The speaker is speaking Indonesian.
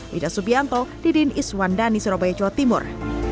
wida subianto didin iswandani surabaya jawa timur